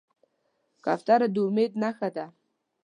کوتره د امید نښه ده.